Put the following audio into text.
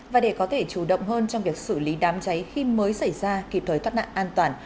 và để có thể chủ động hơn trong việc xử lý đám cháy khi mới xảy ra kịp thời thoát nạn an toàn